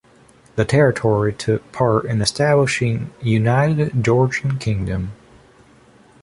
The territory took part in establishing united Georgian Kingdom.